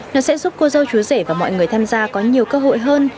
nó sẽ giúp cô dâu chú rể và mọi người tham gia có nhiều cơ hội hơn